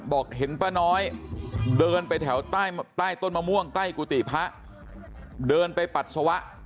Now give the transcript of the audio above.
บอกเห็นป้าน้อยเดินไปแถวใต้ต้นมะม่วงใกล้กุฏิพระเดินไปปัสสาวะ